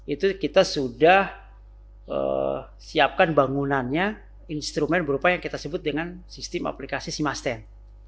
itu kita sudah siapkan bangunannya instrumen berupa yang kita sebut dengan sistem aplikasi simasten